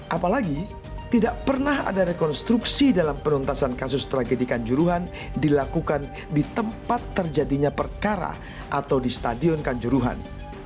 apalagi tidak pernah ada rekonstruksi dalam penuntasan kasus tragedikan juruhan dilakukan di tempat terjadinya perkara atau di stadion kanjuruhan